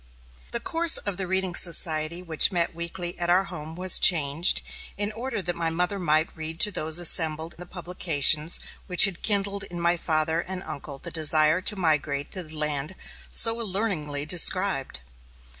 The course of the reading society which met weekly at our home was changed, in order that my mother might read to those assembled the publications which had kindled in my father and uncle the desire to migrate to the land so alluringly described.